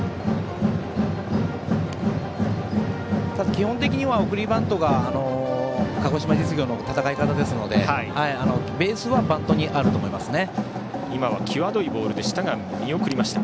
基本的には送りバントが鹿児島実業の戦い方ですのでベースはバントにあると思いますね。